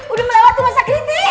udah melewati masa kritis